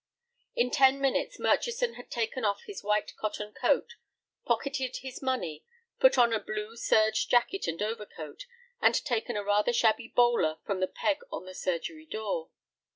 In ten minutes Murchison had taken off his white cotton coat, pocketed his money, put on a blue serge jacket and overcoat, and taken a rather shabby bowler from the peg on the surgery door.